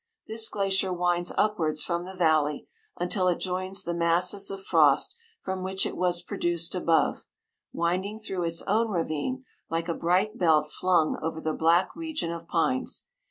This glacier winds upwards from the valley, until it joins the masses of frost from which it was produced above, winding through its own ravine like a bright belt flung over the black region of pines.